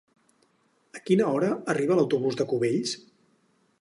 A quina hora arriba l'autobús de Cubells?